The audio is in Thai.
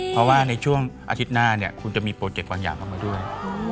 เพราะว่าในช่วงอาทิตย์หน้าเนี่ยคุณจะมีโปรเจกต์บางอย่างเข้ามาด้วย